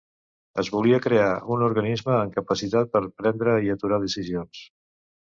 Es volia crear un organisme amb capacitat per prendre i aturar decisions.